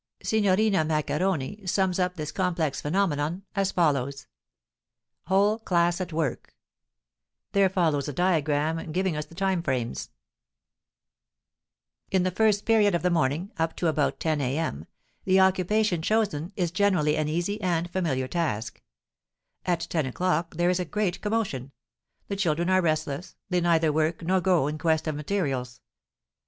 Signorina Maccheroni sums up this complex phenomenon as follows: [Illustration: Whole Class at Work] In the first period of the morning, up to about 10 a.m., the occupation chosen is generally an easy and familiar task. At 10 o'clock there is a great commotion; the children are restless, they neither work nor go in quest of materials.